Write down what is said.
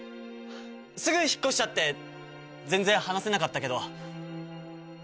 すぐ引っ越しちゃって全然話せなかったけど。